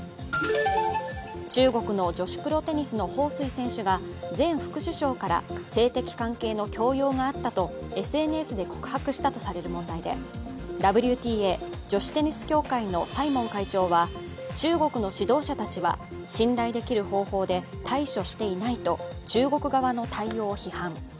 中国の女子プロテニスの彭帥選手が前副首相から性的関係の強要があったとＳＮＳで告白したとされる問題でＷＴＡ＝女子テニス協会のサイモン会長は中国の指導者たちは信頼できる方法で対処していないと中国側の対応を批判。